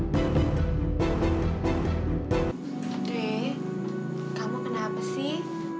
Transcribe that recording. de kamu kenapa sih